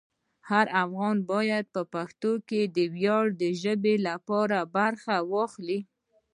هر افغان باید په پښتو کې د ویاړ د ژبې لپاره برخه واخلي.